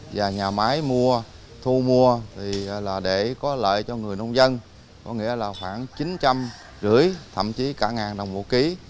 và nhà máy mua thu mua thì là để có lợi cho người nông dân có nghĩa là khoảng chín trăm linh rưỡi thậm chí cả ngàn đồng một ký